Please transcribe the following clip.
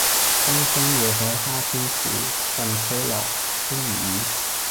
東風夜放花千樹，更吹落、星如雨